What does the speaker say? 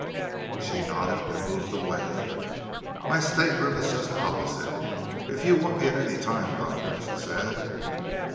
She nodded and moved away. "My stateroom is just opposite, if you want me at any time, doctor," she said.